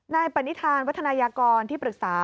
ในประนิษฐานวัฒนากรที่ปรึกษา